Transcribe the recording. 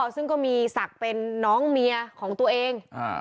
ซึ่งก็มีศักดิ์เป็นน้องเมียของตัวเอง